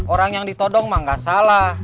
orang yang ditodong mah gak salah